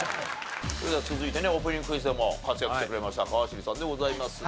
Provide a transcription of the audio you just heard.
それでは続いてねオープニングクイズでも活躍してくれました川尻さんでございますが。